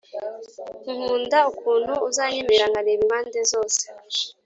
nkunda ukuntu uzanyemerera nkareba impande zose.